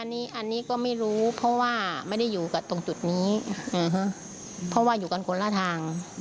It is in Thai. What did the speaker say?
อันนี้อันนี้ก็ไม่รู้เพราะว่าไม่ได้อยู่กับตรงจุดนี้เพราะว่าอยู่กันคนละทาง